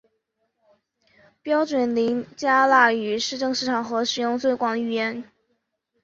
标准林加拉语是正式场合使用最广的语言。